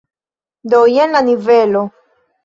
Do jen la nivelo.